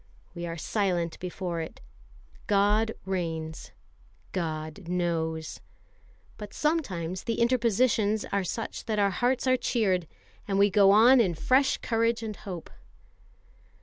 We are silent before it. God reigns; God knows. But sometimes the interpositions are such that our hearts are cheered, and we go on in fresh courage and hope.